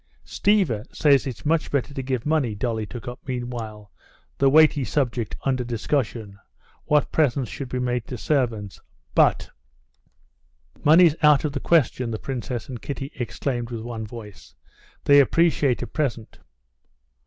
"Stiva says it's much better to give money." Dolly took up meanwhile the weighty subject under discussion, what presents should be made to servants. "But...." "Money's out of the question!" the princess and Kitty exclaimed with one voice. "They appreciate a present...."